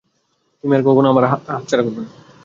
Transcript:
তুমি আর কখনো আমার কাছছাড়া হবে না।